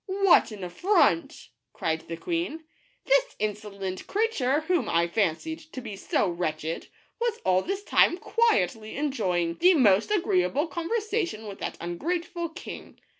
" What an affront!'' cried the queen. "This insolent creature, whom I fancied to be so wretched, was all this time quietly enjoying the most agreeable conversation with that ungrateful king